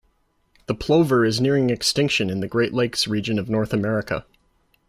The plover is nearing extinction in the Great Lakes region of North America.